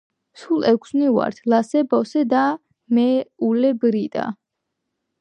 სულ ექვსნი ვართ: ლასე, ბოსე და მე, ულე, ბრიტა